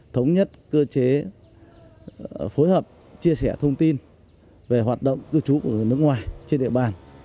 thống nhất cơ chế phối hợp chia sẻ thông tin về hoạt động cư trú của người nước ngoài trên địa bàn